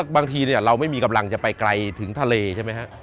บางทีเราไม่มีกำลังจะไปไกลถึงทะเลใช่ไหมฮะ